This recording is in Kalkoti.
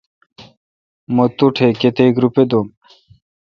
مہ تو ٹھ کتیک روپےدھُوم۔